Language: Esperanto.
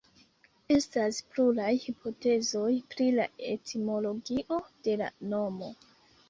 Estas pluraj hipotezoj pri la etimologio de la nomo.